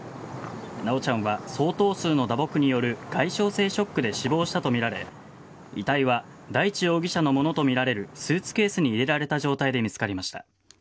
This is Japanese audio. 修ちゃんは相当数の打撲による外傷性ショックで死亡したとみられ遺体は大地容疑者のものとみられるスーツケースに入れられた状態で見つかりました。